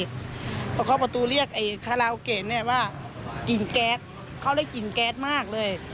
เพราะเขาประตูเรียกไอ้คาราโอเกะเนี่ยว่ากลิ่นแก๊สเขาได้กลิ่นแก๊สมากเลย